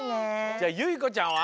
じゃあゆいこちゃんは？